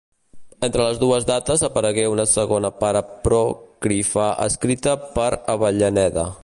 Entre les dues dates aparegué una segona part apòcrifa escrita per Avellaneda.